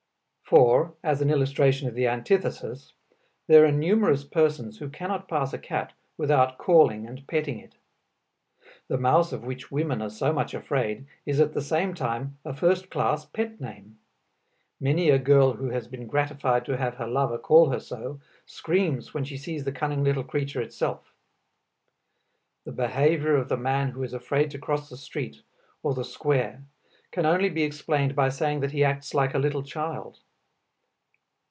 For, as an illustration of the antithesis, there are numerous persons who cannot pass a cat without calling and petting it. The mouse of which women are so much afraid, is at the same time a first class pet name. Many a girl who has been gratified to have her lover call her so, screams when she sees the cunning little creature itself. The behavior of the man who is afraid to cross the street or the square can only be explained by saying that he acts like a little child.